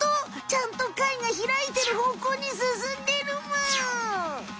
ちゃんと貝がひらいてる方向に進んでるむ。